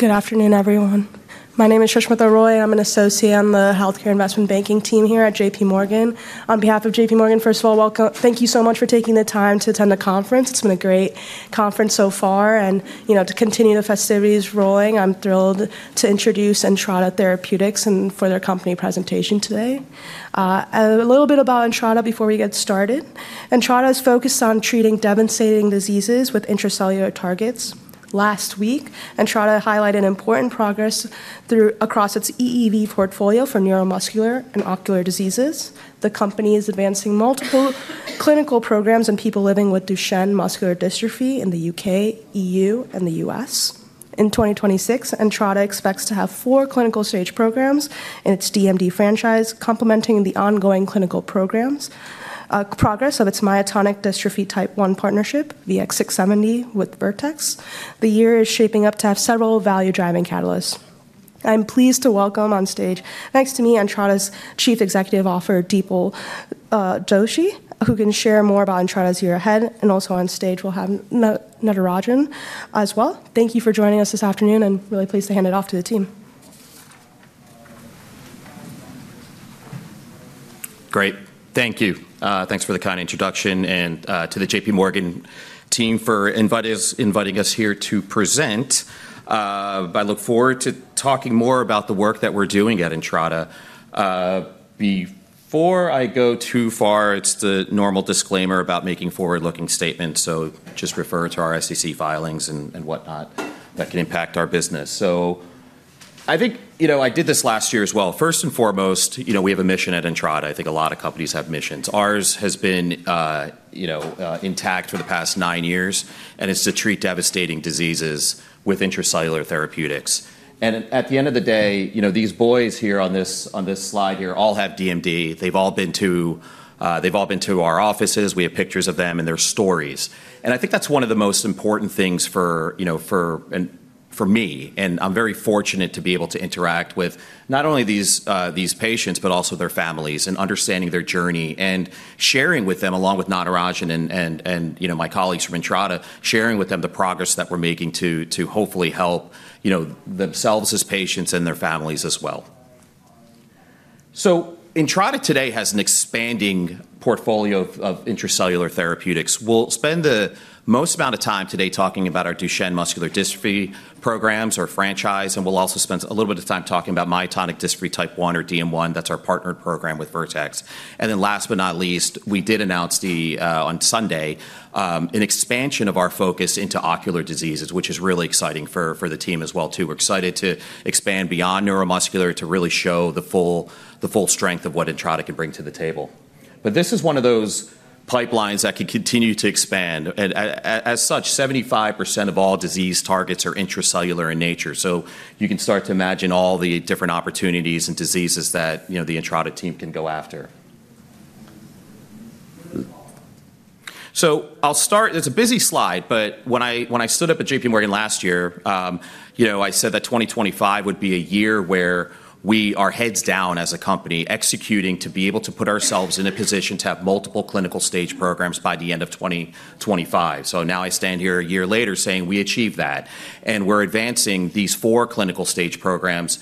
Good afternoon, everyone. My name is Susmita Roy. I'm an associate on the Healthcare Investment Banking team here at JPMorgan. On behalf of JPMorgan, first of all, thank you so much for taking the time to attend the conference. It's been a great conference so far. And to continue the festivities rolling, I'm thrilled to introduce Entrada Therapeutics and for their company presentation today. A little bit about Entrada before we get started. Entrada is focused on treating debilitating diseases with intracellular targets. Last week, Entrada highlighted important progress across its EEV portfolio for neuromuscular and ocular diseases. The company is advancing multiple clinical programs in people living with Duchenne muscular dystrophy in the U.K., EU, and the U.S. In 2026, Entrada expects to have four clinical-stage programs in its DMD franchise, complementing the ongoing clinical programs progress of its myotonic dystrophy type 1 partnership, VX-670, with Vertex. The year is shaping up to have several value-driving catalysts. I'm pleased to welcome on stage, next to me, Entrada's Chief Executive Officer, Dipal Doshi, who can share more about Entrada's year ahead, and also on stage, we'll have Natarajan as well. Thank you for joining us this afternoon, and really pleased to hand it off to the team. Great. Thank you. Thanks for the kind introduction and to the JPMorgan team for inviting us here to present. I look forward to talking more about the work that we're doing at Entrada. Before I go too far, it's the normal disclaimer about making forward-looking statements. So just refer to our SEC filings and whatnot that can impact our business. So I think I did this last year as well. First and foremost, we have a mission at Entrada. I think a lot of companies have missions. Ours has been intact for the past nine years, and it's to treat devastating diseases with intracellular therapeutics. And at the end of the day, these boys here on this slide here all have DMD. They've all been to our offices. We have pictures of them and their stories. And I think that's one of the most important things for me. And I'm very fortunate to be able to interact with not only these patients, but also their families and understanding their journey and sharing with them, along with Natarajan and my colleagues from Entrada, sharing with them the progress that we're making to hopefully help themselves as patients and their families as well. So Entrada today has an expanding portfolio of intracellular therapeutics. We'll spend the most amount of time today talking about our Duchenne muscular dystrophy programs, our franchise. And we'll also spend a little bit of time talking about myotonic dystrophy type 1, or DM1. That's our partnered program with Vertex. And then last but not least, we did announce on Sunday an expansion of our focus into ocular diseases, which is really exciting for the team as well, too. We're excited to expand beyond neuromuscular to really show the full strength of what Entrada can bring to the table. But this is one of those pipelines that can continue to expand. And as such, 75% of all disease targets are intracellular in nature. So you can start to imagine all the different opportunities and diseases that the Entrada team can go after. So I'll start. It's a busy slide. But when I stood up at JPMorgan last year, I said that 2025 would be a year where we are heads down as a company, executing to be able to put ourselves in a position to have multiple clinical stage programs by the end of 2025. So now I stand here a year later saying we achieved that. We're advancing these four clinical stage programs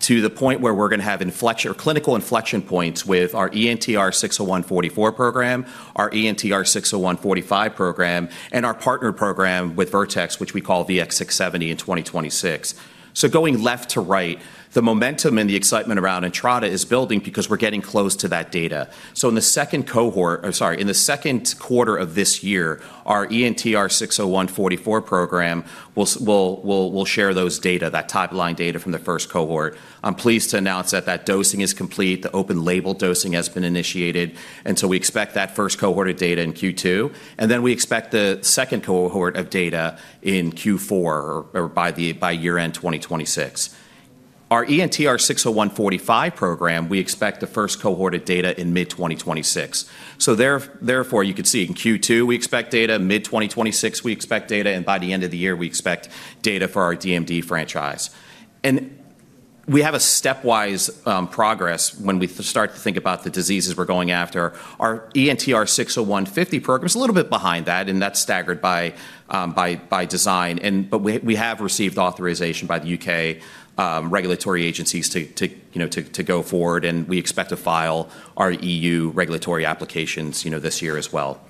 to the point where we're going to have clinical inflection points with our ENTR-601-44 program, our ENTR-601-45 program, and our partner program with Vertex, which we call VX-670 in 2026. So going left to right, the momentum and the excitement around Entrada is building because we're getting close to that data. So in the second cohort, or sorry, in the second quarter of this year, our ENTR-601-44 program will share those data, that top line data from the first cohort. I'm pleased to announce that dosing is complete. The open label dosing has been initiated. And so we expect that first cohort of data in Q2. And then we expect the second cohort of data in Q4 or by year-end 2026. Our ENTR-601-45 program, we expect the first cohort of data in mid-2026. So therefore, you can see in Q2, we expect data, mid-2026, we expect data, and by the end of the year, we expect data for our DMD franchise. We have a stepwise progress when we start to think about the diseases we're going after. Our ENTR-601-50 program is a little bit behind that, and that's staggered by design. We have received authorization by the U.K. regulatory agencies to go forward. We expect to file our EU regulatory applications this year as well.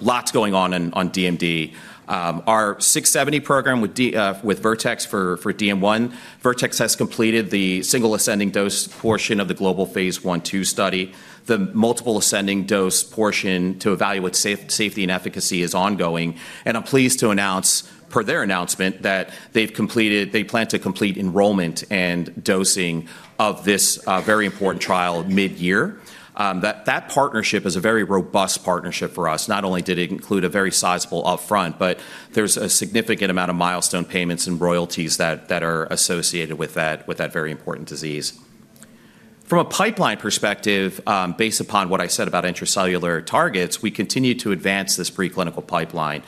Lots going on, on DMD. Our 670 program with Vertex for DM1. Vertex has completed the single ascending dose portion of the global Phase 1/2 study. The multiple ascending dose portion to evaluate safety and efficacy is ongoing. I'm pleased to announce, per their announcement, that they plan to complete enrollment and dosing of this very important trial mid-year. That partnership is a very robust partnership for us. Not only did it include a very sizable upfront, but there's a significant amount of milestone payments and royalties that are associated with that very important disease. From a pipeline perspective, based upon what I said about intracellular targets, we continue to advance this preclinical pipeline.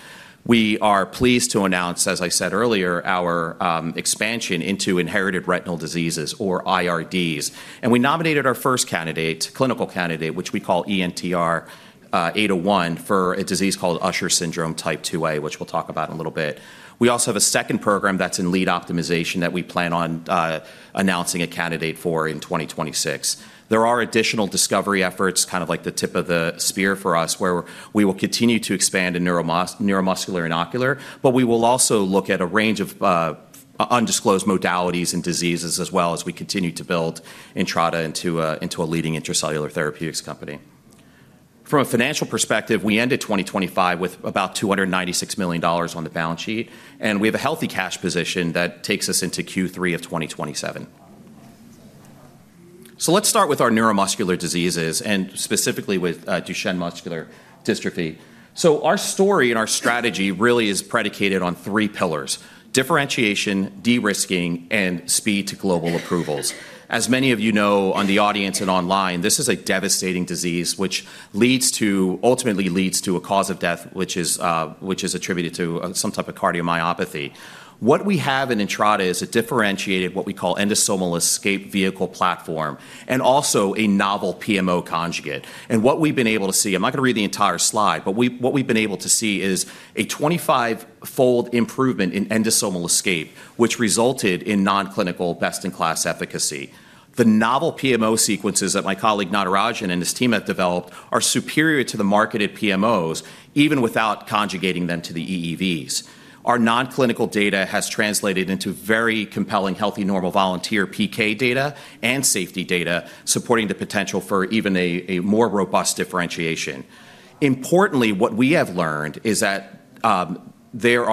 We are pleased to announce, as I said earlier, our expansion into inherited retinal diseases, or IRDs, and we nominated our first candidate, clinical candidate, which we call ENTR-801 for a disease called Usher syndrome type 2A, which we'll talk about in a little bit. We also have a second program that's in lead optimization that we plan on announcing a candidate for in 2026. There are additional discovery efforts, kind of like the tip of the spear for us, where we will continue to expand in neuromuscular and ocular. But we will also look at a range of undisclosed modalities and diseases as well as we continue to build Entrada into a leading intracellular therapeutics company. From a financial perspective, we ended 2025 with about $296 million on the balance sheet. And we have a healthy cash position that takes us into Q3 of 2027. So let's start with our neuromuscular diseases, and specifically with Duchenne muscular dystrophy. So our story and our strategy really is predicated on three pillars: differentiation, de-risking, and speed to global approvals. As many of you know in the audience and online, this is a devastating disease which ultimately leads to a cause of death, which is attributed to some type of cardiomyopathy. What we have in Entrada is a differentiated, what we call, Endosomal Escape Vehicle platform and also a novel PMO conjugate. And what we've been able to see, I'm not going to read the entire slide, but what we've been able to see is a 25-fold improvement in endosomal escape, which resulted in non-clinical best-in-class efficacy. The novel PMO sequences that my colleague Natarajan and his team have developed are superior to the marketed PMOs, even without conjugating them to the EEVs. Our non-clinical data has translated into very compelling healthy normal volunteer PK data and safety data supporting the potential for even a more robust differentiation. Importantly, what we have learned is that there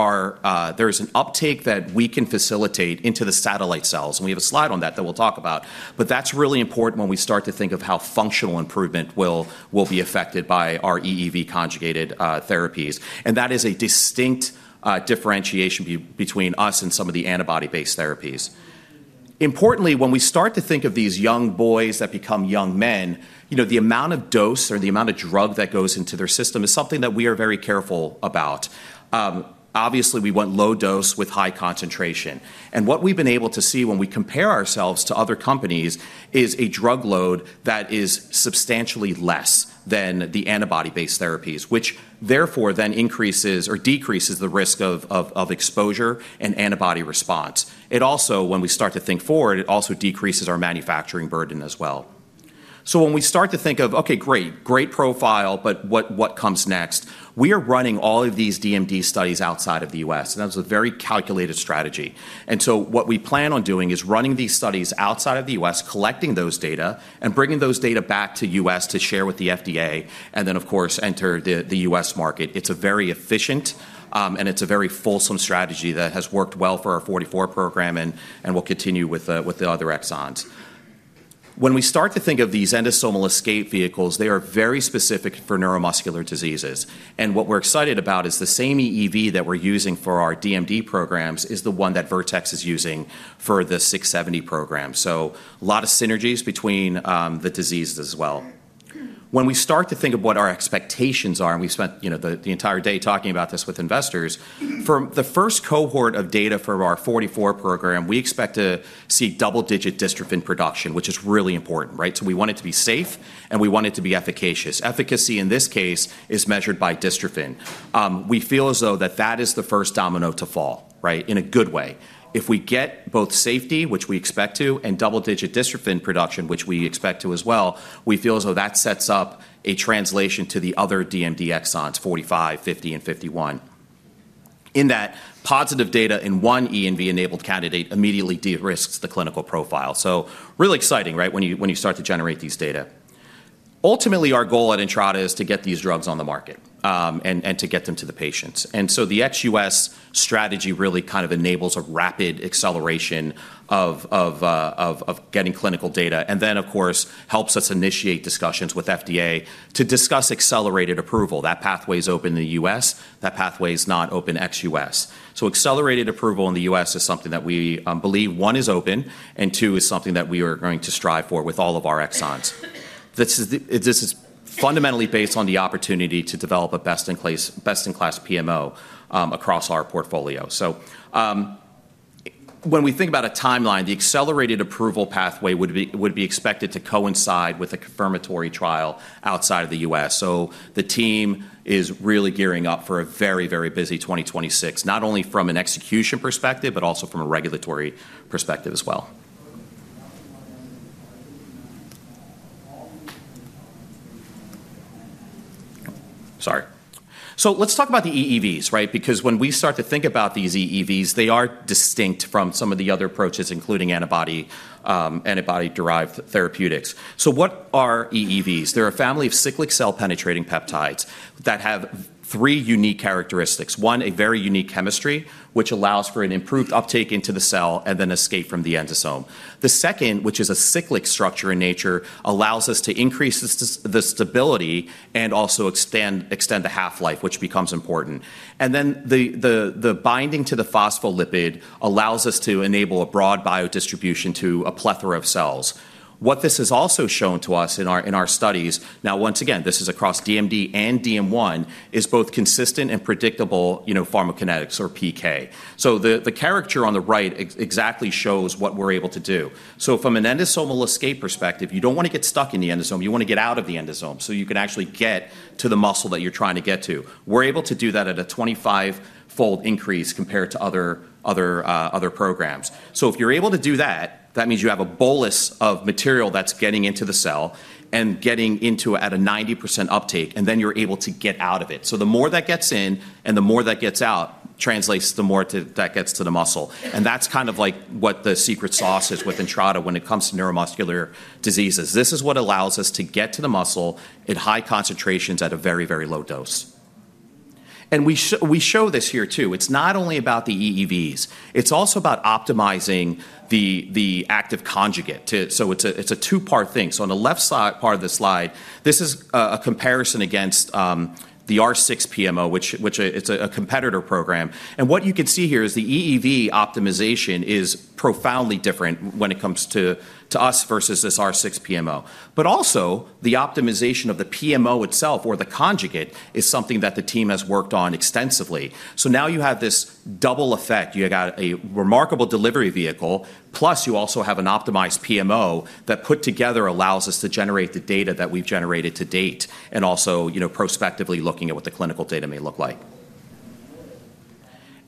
is an uptake that we can facilitate into the satellite cells. And we have a slide on that that we'll talk about. But that's really important when we start to think of how functional improvement will be affected by our EEV conjugated therapies. And that is a distinct differentiation between us and some of the antibody-based therapies. Importantly, when we start to think of these young boys that become young men, the amount of dose or the amount of drug that goes into their system is something that we are very careful about. Obviously, we want low dose with high concentration. And what we've been able to see when we compare ourselves to other companies is a drug load that is substantially less than the antibody-based therapies, which therefore then increases or decreases the risk of exposure and antibody response. It also, when we start to think forward, it also decreases our manufacturing burden as well. So when we start to think of, "Okay, great, great profile, but what comes next?" We are running all of these DMD studies outside of the U.S. And that was a very calculated strategy. And so what we plan on doing is running these studies outside of the U.S., collecting those data, and bringing those data back to the U.S. to share with the FDA, and then, of course, enter the U.S. market. It's a very efficient, and it's a very fulsome strategy that has worked well for our 44 program, and we'll continue with the other exons. When we start to think of these Endosomal Escape Vehicles, they are very specific for neuromuscular diseases. And what we're excited about is the same EEV that we're using for our DMD programs is the one that Vertex is using for the 670 program. So a lot of synergies between the diseases as well. When we start to think of what our expectations are, and we spent the entire day talking about this with investors, for the first cohort of data for our 44 program, we expect to see double-digit dystrophin production, which is really important. So we want it to be safe, and we want it to be efficacious. Efficacy in this case is measured by dystrophin. We feel as though that is the first domino to fall, in a good way. If we get both safety, which we expect to, and double-digit dystrophin production, which we expect to as well, we feel as though that sets up a translation to the other DMD exons, 45, 50, and 51, in that positive data in one ENTR-enabled candidate immediately de-risks the clinical profile, so really exciting when you start to generate these data. Ultimately, our goal at Entrada is to get these drugs on the market and to get them to the patients, and so the ex-U.S. strategy really kind of enables a rapid acceleration of getting clinical data, and then, of course, helps us initiate discussions with FDA to discuss accelerated approval. That pathway is open in the U.S. That pathway is not open ex-U.S., so accelerated approval in the U.S. is something that we believe one is open, and two is something that we are going to strive for with all of our exons. This is fundamentally based on the opportunity to develop a best-in-class PMO across our portfolio, so when we think about a timeline, the accelerated approval pathway would be expected to coincide with a confirmatory trial outside of the U.S. The team is really gearing up for a very, very busy 2026, not only from an execution perspective, but also from a regulatory perspective as well. Sorry. Let's talk about the EEVs, because when we start to think about these EEVs, they are distinct from some of the other approaches, including antibody-derived therapeutics. What are EEVs? They're a family of cyclic cell-penetrating peptides that have three unique characteristics. One, a very unique chemistry, which allows for an improved uptake into the cell and then escape from the endosome. The second, which is a cyclic structure in nature, allows us to increase the stability and also extend the half-life, which becomes important. The binding to the phospholipid allows us to enable a broad biodistribution to a plethora of cells. What this has also shown to us in our studies, now, once again, this is across DMD and DM1, is both consistent and predictable pharmacokinetics or PK. So the character on the right exactly shows what we're able to do. So from an endosomal escape perspective, you don't want to get stuck in the endosome. You want to get out of the endosome so you can actually get to the muscle that you're trying to get to. We're able to do that at a 25-fold increase compared to other programs. So if you're able to do that, that means you have a bolus of material that's getting into the cell and getting into it at a 90% uptake, and then you're able to get out of it. So the more that gets in and the more that gets out translates to the more that gets to the muscle. That's kind of like what the secret sauce is with Entrada when it comes to neuromuscular diseases. This is what allows us to get to the muscle at high concentrations at a very, very low dose. We show this here, too. It's not only about the EEVs. It's also about optimizing the active conjugate. It's a two-part thing. On the left part of the slide, this is a comparison against the R6 PMO, which is a competitor program. What you can see here is the EEV optimization is profoundly different when it comes to us versus this R6 PMO. Also, the optimization of the PMO itself or the conjugate is something that the team has worked on extensively. Now you have this double effect. You've got a remarkable delivery vehicle, plus you also have an optimized PMO that put together allows us to generate the data that we've generated to date and also prospectively looking at what the clinical data may look like.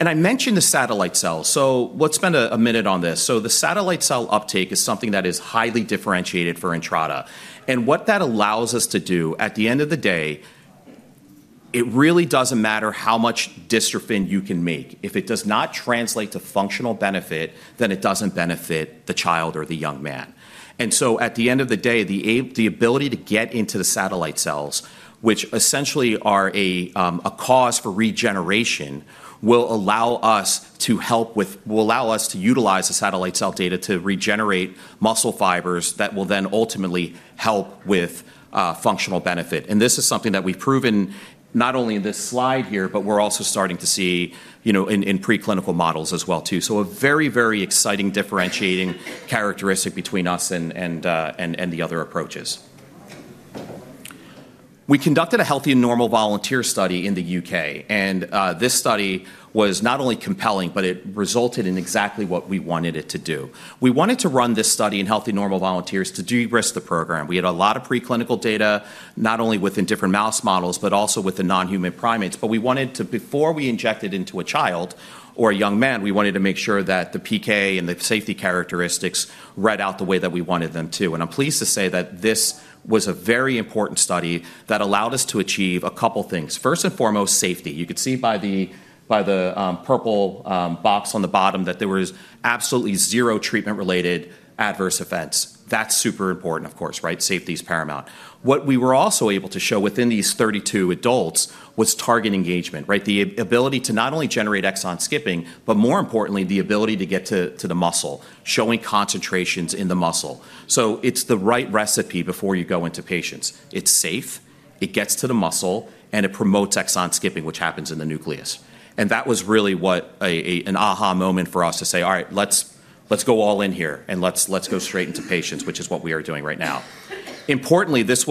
And I mentioned the satellite cell. So let's spend a minute on this. So the satellite cell uptake is something that is highly differentiated for Entrada. And what that allows us to do, at the end of the day, it really doesn't matter how much dystrophin you can make. If it does not translate to functional benefit, then it doesn't benefit the child or the young man. And so at the end of the day, the ability to get into the satellite cells, which essentially are a cause for regeneration, will allow us to utilize the satellite cell data to regenerate muscle fibers that will then ultimately help with functional benefit. And this is something that we've proven not only in this slide here, but we're also starting to see in preclinical models as well. So a very, very exciting differentiating characteristic between us and the other approaches. We conducted a healthy normal volunteer study in the U.K. And this study was not only compelling, but it resulted in exactly what we wanted it to do. We wanted to run this study in healthy normal volunteers to de-risk the program. We had a lot of preclinical data, not only within different mouse models, but also with the non-human primates. We wanted to, before we injected into a child or a young man, we wanted to make sure that the PK and the safety characteristics read out the way that we wanted them, too. And I'm pleased to say that this was a very important study that allowed us to achieve a couple of things. First and foremost, safety. You could see by the purple box on the bottom that there was absolutely zero treatment-related adverse events. That's super important, of course. Safety is paramount. What we were also able to show within these 32 adults was target engagement, the ability to not only generate exon skipping, but more importantly, the ability to get to the muscle, showing concentrations in the muscle. It's the right recipe before you go into patients. It's safe. It gets to the muscle, and it promotes exon skipping, which happens in the nucleus. That was really what an aha moment for us to say, "All right, let's go all in here, and let's go straight into patients," which is what we are doing right now. Importantly, this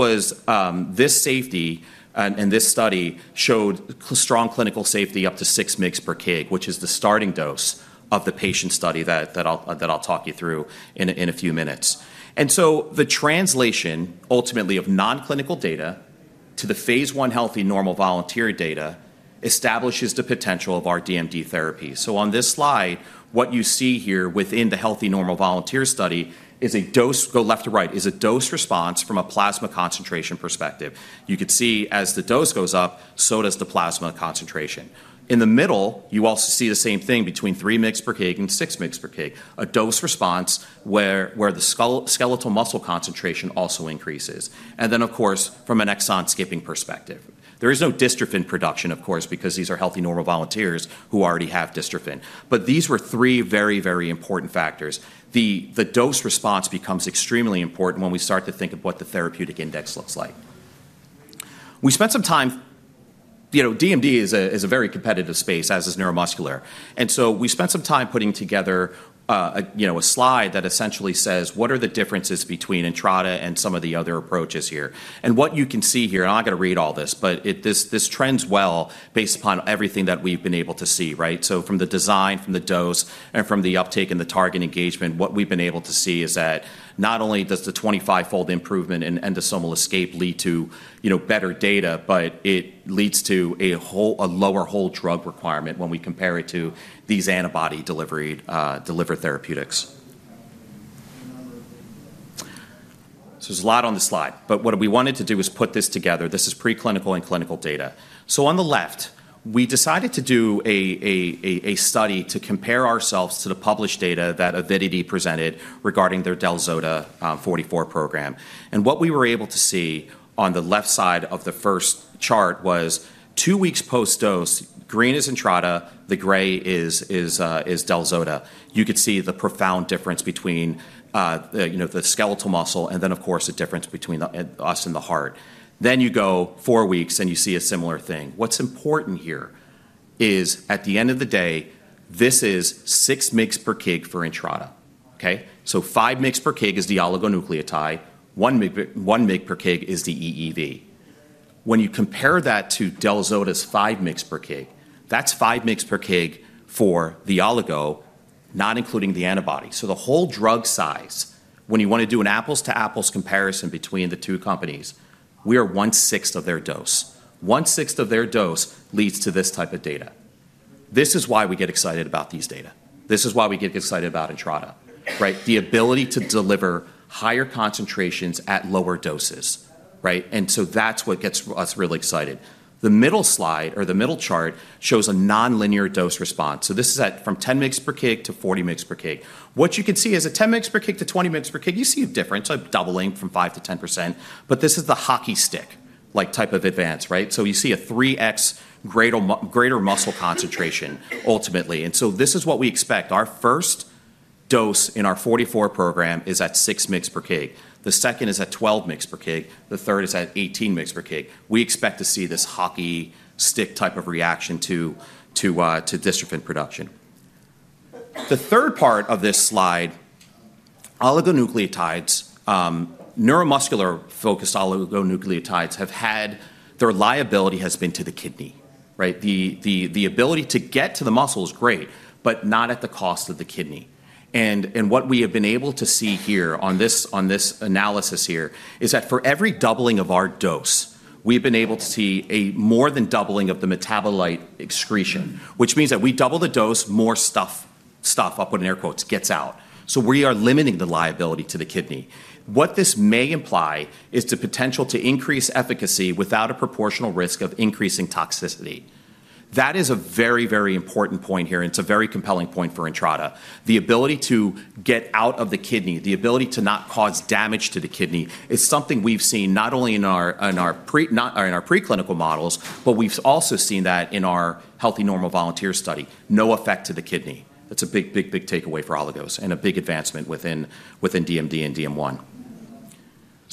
safety and this study showed strong clinical safety up to 6 mg/kg, which is the starting dose of the patient study that I'll talk you through in a few minutes. The translation, ultimately, of non-clinical data to the Phase 1 healthy normal volunteer data establishes the potential of our DMD therapy. On this slide, what you see here within the healthy normal volunteer study is a dose - go left to right - is a dose response from a plasma concentration perspective. You could see as the dose goes up, so does the plasma concentration. In the middle, you also see the same thing between 3 mg/kg and six mg per kg, a dose response where the skeletal muscle concentration also increases, and then, of course, from an exon skipping perspective, there is no dystrophin production, of course, because these are healthy normal volunteers who already have dystrophin, but these were three very, very important factors. The dose response becomes extremely important when we start to think of what the therapeutic index looks like. We spent some time, DMD is a very competitive space, as is neuromuscular, and so we spent some time putting together a slide that essentially says, "What are the differences between Entrada and some of the other approaches here?", and what you can see here, and I'm not going to read all this, but this trends well based upon everything that we've been able to see. From the design, from the dose, and from the uptake and the target engagement, what we've been able to see is that not only does the 25-fold improvement in endosomal escape lead to better data, but it leads to a lower whole drug requirement when we compare it to these antibody-delivered therapeutics. There's a lot on the slide. What we wanted to do is put this together. This is preclinical and clinical data. On the left, we decided to do a study to compare ourselves to the published data that Avidity presented regarding their del-zota 44 program. What we were able to see on the left side of the first chart was two weeks post-dose, green is Entrada. The gray is del-zota. You could see the profound difference between the skeletal muscle and then, of course, the difference between us and the heart. Then you go four weeks, and you see a similar thing. What's important here is, at the end of the day, this is 6 mg/kg for Entrada. So 5 mg/kg is the oligonucleotide. 1 mg/kg is the EEV. When you compare that to del-zota's 5 mg/kg, that's 5 mg/kg for the oligo, not including the antibody. So the whole drug size, when you want to do an apples-to-apples comparison between the two companies, we are one-sixth of their dose. One-sixth of their dose leads to this type of data. This is why we get excited about these data. This is why we get excited about Entrada, the ability to deliver higher concentrations at lower doses. And so that's what gets us really excited. The middle slide or the middle chart shows a non-linear dose response. So this is from 10 mg/kg to 40 mg/kg. What you can see is at 10 mg/kg to 20 mg/kg, you see a difference of doubling from 5% to 10%. But this is the hockey stick type of advance. So you see a 3x greater muscle concentration, ultimately. And so this is what we expect. Our first dose in our 44 program is at 6 mg/kg. The second is at 12 mg/kg. The third is at 18 mg/kg. We expect to see this hockey stick type of reaction to dystrophin production. The third part of this slide, oligonucleotides, neuromuscular-focused oligonucleotides have had their liability has been to the kidney. The ability to get to the muscle is great, but not at the cost of the kidney. What we have been able to see here on this analysis here is that for every doubling of our dose, we've been able to see a more than doubling of the metabolite excretion, which means that we double the dose, more stuff. I'll put it in air quotes, "gets out." So we are limiting the liability to the kidney. What this may imply is the potential to increase efficacy without a proportional risk of increasing toxicity. That is a very, very important point here, and it's a very compelling point for Entrada. The ability to get out of the kidney, the ability to not cause damage to the kidney, is something we've seen not only in our preclinical models, but we've also seen that in our healthy normal volunteer study. No effect to the kidney. That's a big, big, big takeaway for oligos and a big advancement within DMD and DM1.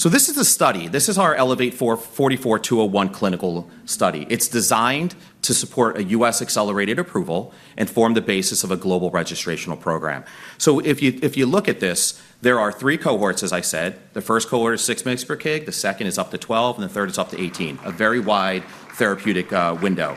This is the study. This is our ELEVATE 44-201 clinical study. It's designed to support a U.S. accelerated approval and form the basis of a global registrational program. If you look at this, there are three cohorts, as I said. The first cohort is 6 mg/kg. The second is up to 12, and the third is up to 18, a very wide therapeutic window.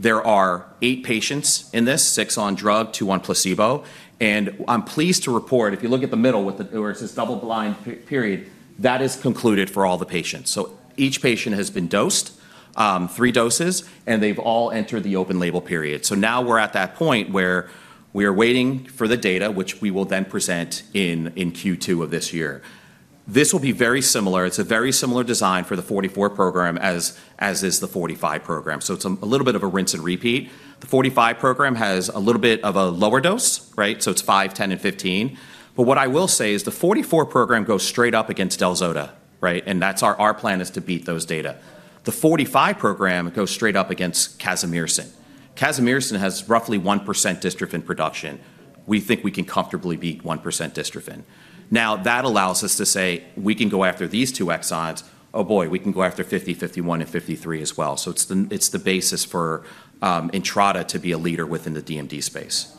There are eight patients in this, six on drug, two on placebo. I'm pleased to report, if you look at the middle where it says double-blind period, that is concluded for all the patients. Each patient has been dosed, three doses, and they've all entered the open label period. So now we're at that point where we are waiting for the data, which we will then present in Q2 of this year. This will be very similar. It's a very similar design for the 44 program as is the 45 program. So it's a little bit of a rinse and repeat. The 45 program has a little bit of a lower dose, so it's five, 10, and 15. But what I will say is the 44 program goes straight up against del-zota, and that's our plan is to beat those data. The 45 program goes straight up against casimersen. Casimersen has roughly 1% dystrophin production. We think we can comfortably beat 1% dystrophin. Now, that allows us to say we can go after these two exons. Oh, boy, we can go after 50, 51, and 53 as well. It's the basis for Entrada to be a leader within the DMD space.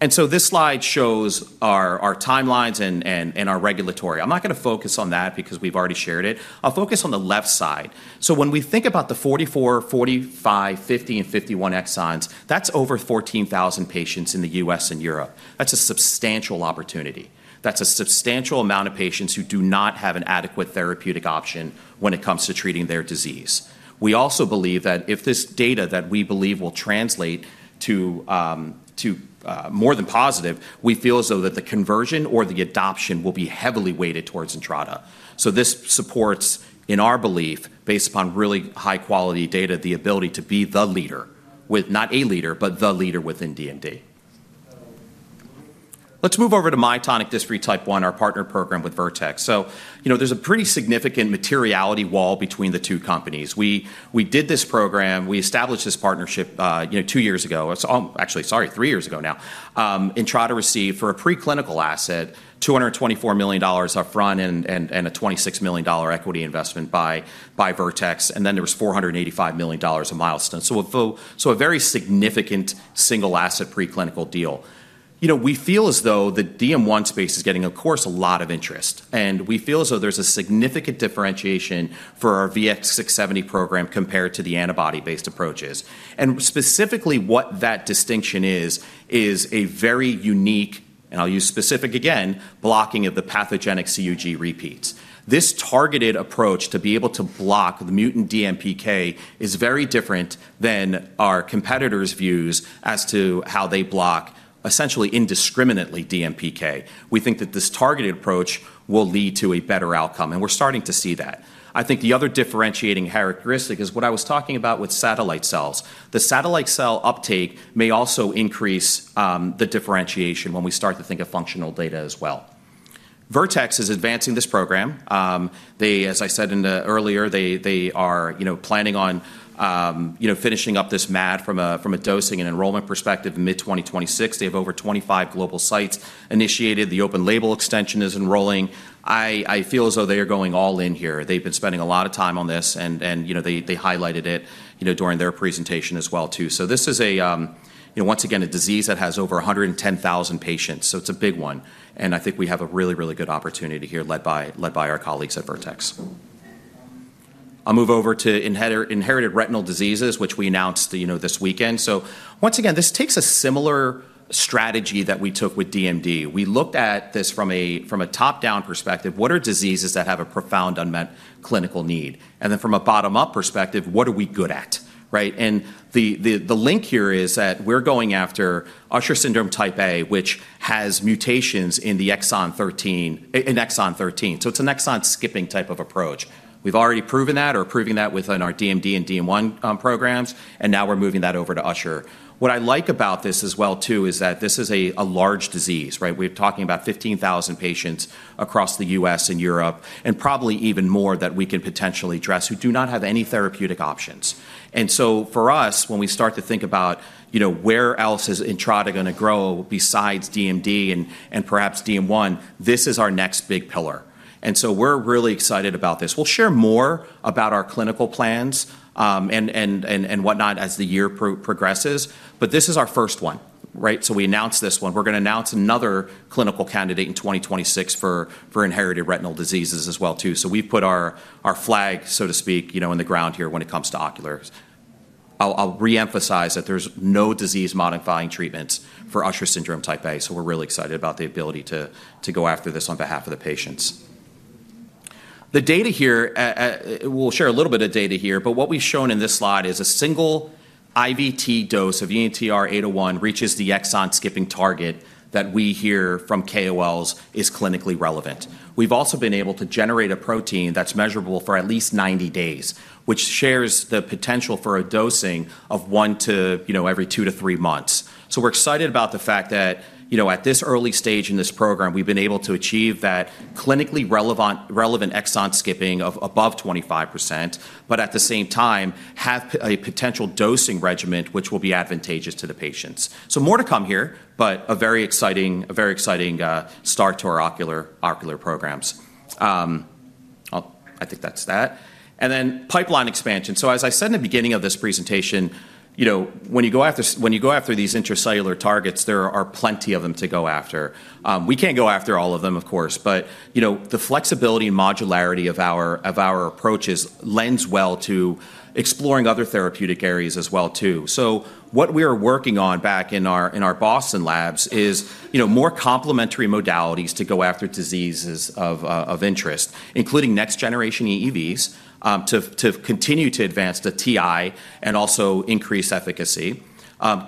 This slide shows our timelines and our regulatory. I'm not going to focus on that because we've already shared it. I'll focus on the left side. When we think about the 44, 45, 50, and 51 exons, that's over 14,000 patients in the U.S. and Europe. That's a substantial opportunity. That's a substantial amount of patients who do not have an adequate therapeutic option when it comes to treating their disease. We also believe that if this data that we believe will translate to more than positive, we feel as though that the conversion or the adoption will be heavily weighted towards Entrada. This supports, in our belief, based upon really high-quality data, the ability to be the leader, not a leader, but the leader within DMD. Let's move over to myotonic dystrophy type 1, our partner program with Vertex. So there's a pretty significant materiality wall between the two companies. We did this program. We established this partnership two years ago. Actually, sorry, three years ago now, Entrada received for a preclinical asset $224 million upfront and a $26 million equity investment by Vertex. And then there was $485 million of milestones. So a very significant single-asset preclinical deal. We feel as though the DM1 space is getting, of course, a lot of interest. And we feel as though there's a significant differentiation for our VX-670 program compared to the antibody-based approaches. And specifically, what that distinction is, is a very unique, and I'll use specific again, blocking of the pathogenic CUG repeats. This targeted approach to be able to block the mutant DMPK is very different than our competitors' views as to how they block essentially indiscriminately DMPK. We think that this targeted approach will lead to a better outcome, and we're starting to see that. I think the other differentiating characteristic is what I was talking about with satellite cells. The satellite cell uptake may also increase the differentiation when we start to think of functional data as well. Vertex is advancing this program. As I said earlier, they are planning on finishing up this MAD from a dosing and enrollment perspective mid-2026. They have over 25 global sites initiated. The open label extension is enrolling. I feel as though they are going all in here. They've been spending a lot of time on this, and they highlighted it during their presentation as well, too. This is, once again, a disease that has over 110,000 patients. It's a big one. I think we have a really, really good opportunity here led by our colleagues at Vertex. I'll move over to inherited retinal diseases, which we announced this weekend. Once again, this takes a similar strategy that we took with DMD. We looked at this from a top-down perspective. What are diseases that have a profound unmet clinical need? Then from a bottom-up perspective, what are we good at? The link here is that we're going after Usher syndrome type 2A, which has mutations in exon 13. It's an exon skipping type of approach. We've already proven that or proving that within our DMD and DM1 programs, and now we're moving that over to Usher. What I like about this as well, too, is that this is a large disease. We're talking about 15,000 patients across the U.S. and Europe and probably even more that we can potentially address who do not have any therapeutic options. And so for us, when we start to think about where else is Entrada going to grow besides DMD and perhaps DM1, this is our next big pillar. And so we're really excited about this. We'll share more about our clinical plans and whatnot as the year progresses. But this is our first one. So we announced this one. We're going to announce another clinical candidate in 2026 for inherited retinal diseases as well, too. So we've put our flag, so to speak, in the ground here when it comes to oculars. I'll reemphasize that there's no disease-modifying treatments for Usher syndrome type 2A. We're really excited about the ability to go after this on behalf of the patients. The data here, we'll share a little bit of data here. But what we've shown in this slide is a single IVT dose of ENTR-801 reaches the exon skipping target that we hear from KOLs is clinically relevant. We've also been able to generate a protein that's measurable for at least 90 days, which shares the potential for a dosing of one to every two to three months. We're excited about the fact that at this early stage in this program, we've been able to achieve that clinically relevant exon skipping of above 25%, but at the same time, have a potential dosing regimen which will be advantageous to the patients. More to come here, but a very exciting start to our ocular programs. I think that's that. And then pipeline expansion. So as I said in the beginning of this presentation, when you go after these intracellular targets, there are plenty of them to go after. We can't go after all of them, of course, but the flexibility and modularity of our approaches lends well to exploring other therapeutic areas as well, too. So what we are working on back in our Boston labs is more complementary modalities to go after diseases of interest, including next-generation EEVs to continue to advance the TI and also increase efficacy,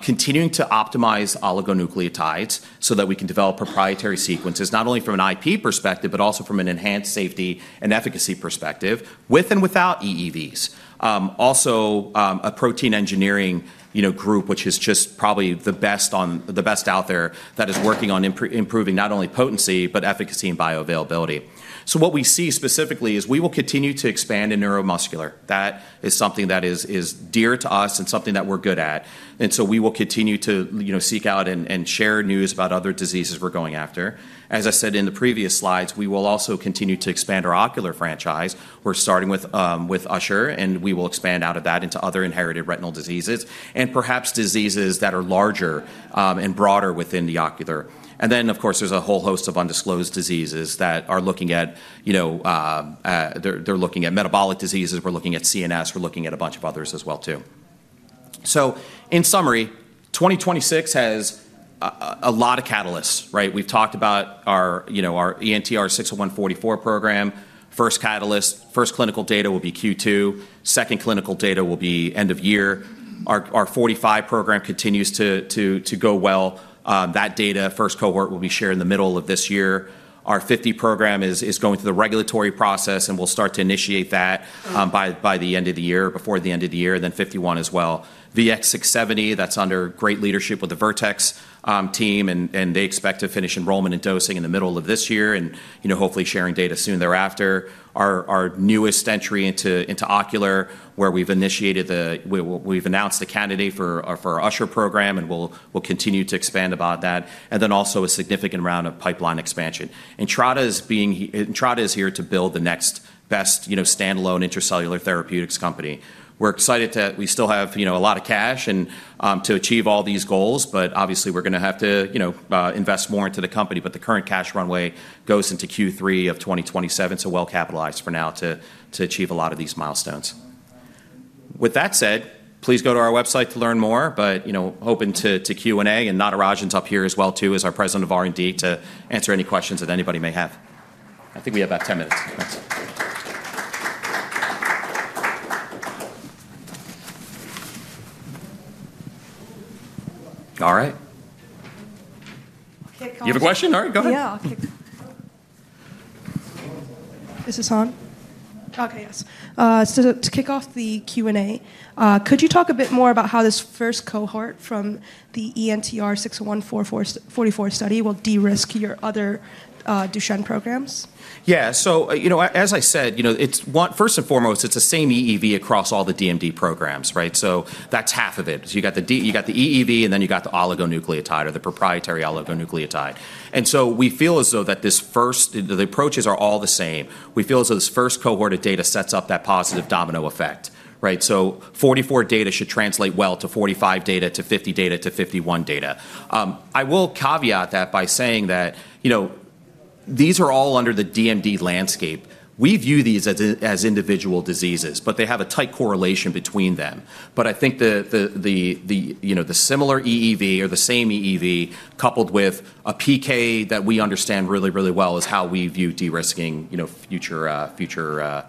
continuing to optimize oligonucleotides so that we can develop proprietary sequences not only from an IP perspective, but also from an enhanced safety and efficacy perspective with and without EEVs. Also, a protein engineering group, which is just probably the best out there that is working on improving not only potency, but efficacy and bioavailability. So what we see specifically is we will continue to expand in neuromuscular. That is something that is dear to us and something that we're good at. And so we will continue to seek out and share news about other diseases we're going after. As I said in the previous slides, we will also continue to expand our ocular franchise. We're starting with Usher, and we will expand out of that into other inherited retinal diseases and perhaps diseases that are larger and broader within the ocular. And then, of course, there's a whole host of undisclosed diseases that we're looking at metabolic diseases. We're looking at CNS. We're looking at a bunch of others as well, too. So in summary, 2026 has a lot of catalysts. We've talked about our ENTR-601-44 program, first catalyst. First clinical data will be Q2. Second clinical data will be end of year. Our 45 program continues to go well. That data, first cohort, will be shared in the middle of this year. Our 50 program is going through the regulatory process, and we'll start to initiate that by the end of the year, before the end of the year, then 51 as well. VX-670, that's under great leadership with the Vertex team, and they expect to finish enrollment and dosing in the middle of this year and hopefully sharing data soon thereafter. Our newest entry into ocular, where we've announced the candidate for our Usher program, and we'll continue to expand about that. And then also a significant round of pipeline expansion. Entrada is here to build the next best standalone intracellular therapeutics company. We're excited that we still have a lot of cash to achieve all these goals, but obviously, we're going to have to invest more into the company. But the current cash runway goes into Q3 of 2027, so well capitalized for now to achieve a lot of these milestones. With that said, please go to our website to learn more, but open to Q&A. And Natarajan's up here as well, too, as our President of R&D, to answer any questions that anybody may have. I think we have about 10 minutes. All right. You have a question? All right, go ahead. Yeah. This is Han. Okay, yes. So to kick off the Q&A, could you talk a bit more about how this first cohort from the ENTR-601-44 study will de-risk your other Duchenne programs? Yeah. So as I said, first and foremost, it's the same EEV across all the DMD programs. So that's half of it. So you got the EEV, and then you got the oligonucleotide or the proprietary oligonucleotide. And so we feel as though that this first the approaches are all the same. We feel as though this first cohort of data sets up that positive domino effect. So 44 data should translate well to 45 data to 50 data to 51 data. I will caveat that by saying that these are all under the DMD landscape. We view these as individual diseases, but they have a tight correlation between them. But I think the similar EEV or the same EEV coupled with a PK that we understand really, really well is how we view de-risking future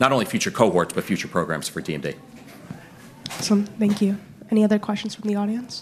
not only future cohorts, but future programs for DMD. Awesome. Thank you. Any other questions from the audience?